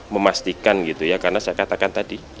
memastikan gitu ya karena saya katakan tadi